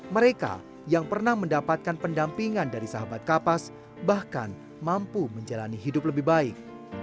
mereka yang pernah mendapatkan pendampingan dari sahabat kapas bahkan mampu menjalani hidup lebih baik